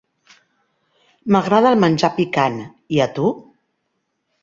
M'agrada el menjar picant, i a tu?